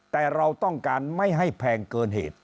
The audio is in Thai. แต่เราต้องการไม่ให้แพงเกินเหตุ